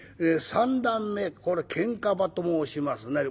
三段目これ喧嘩場と申します。